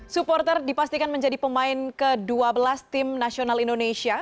supporter dipastikan menjadi pemain ke dua belas tim nasional indonesia